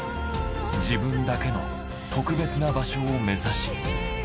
自分だけの特別な場所を目指し。